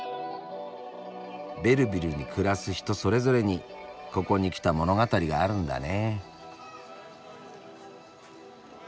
ベルヴィルに暮らす人それぞれにここに来た物語があるんだね。